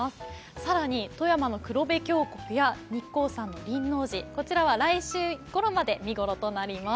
更に富山の黒部峡谷や日光山の輪王寺、こちらは来週ごろまで見ごろとなります。